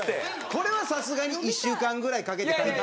これはさすがに１週間ぐらいかけて描いた？